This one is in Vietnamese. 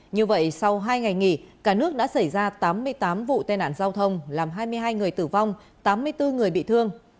như vậy sau hai ngày nghỉ cả nước đã xảy ra tám mươi tám vụ tai nạn giao thông làm hai mươi hai người tử vong tám mươi bốn người bị thương